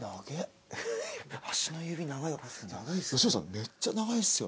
めっちゃ長いっすよ。